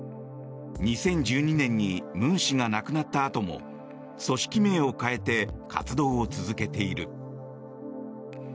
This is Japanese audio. ２０１２年にムン氏が亡くなったあとも組織名を変えて活動を続けている。